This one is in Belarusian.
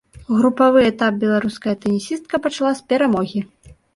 Групавы этап беларуская тэнісістка пачала з перамогі.